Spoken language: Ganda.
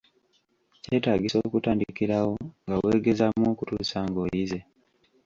Kyetaagisa okutandikirawo nga weegezaamu okutuusa ng’oyize.